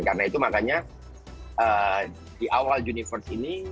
karena itu makanya di awal universe ini